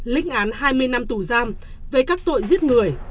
lĩnh án hai mươi năm tù giam về các tội giết người